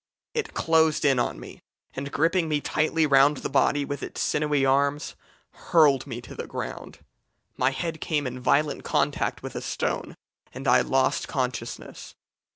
It closed in on me, and gripping me tightly round the body with its sinewy arms, hurled me to the ground. My head came in violent contact with a stone, and I lost consciousness.